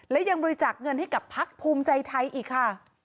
และยังบริจาคเงินให้กับพักภูมิใจไทยอีกค่ะ